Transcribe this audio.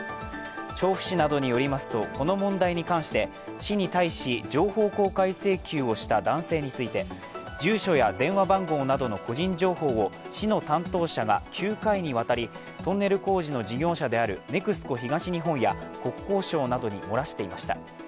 調布市などによりますと、この問題に関して市に対し情報公開請求をした男性について、住所や電話番号などの個人情報を市の担当者が９回にわたり、トンネル工事の事業者であるＮＥＸＣＯ東日本や国交省などに漏らしていました。